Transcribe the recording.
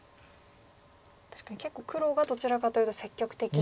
確かに結構黒がどちらかというと積極的に。